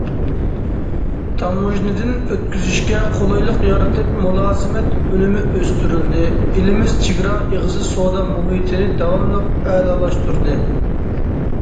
تاموژنىدىن ئۆتكۈزۈشكە قولايلىق يارىتىلىپ، مۇلازىمەت ئۈنۈمى ئۆستۈرۈلدى ئېلىمىز چېگرا ئېغىزى سودا مۇھىتىنى داۋاملىق ئەلالاشتۇردى.